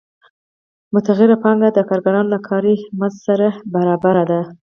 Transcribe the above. متغیره پانګه د کارګرانو له کاري مزد سره برابره ده